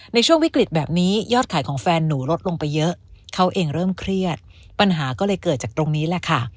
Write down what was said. ในช่วงวิกฤตแบบนี้ยอดขายของแฟนหนูลดลงไปเยอะเขาเองเริ่มเครียดปัญหาก็เลยเกิดจากตรงนี้แหละค่ะ